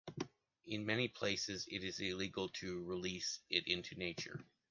In many places it is illegal to release it into nature.